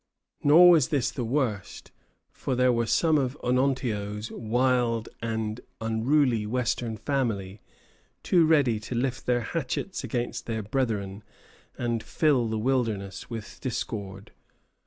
Nor was this the worst; for there were some of Onontio's wild and unruly western family too ready to lift their hatchets against their brethren and fill the wilderness with discord.